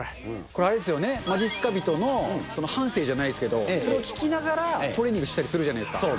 これあれですよね、まじっすか人のはんせいじゃないですけど、それを聞きながらトレーニングするじゃないですか。